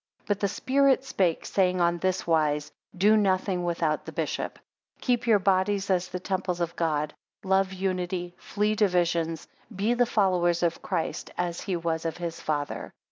But the spirit spake, saying on this wise: Do nothing without the bishop: 15 Keep your bodies as the temples of God: Love unity; Flee divisions; Be the followers of Christ, as he was of his Father.